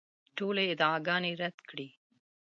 ټولې ادعاګانې رد کړې.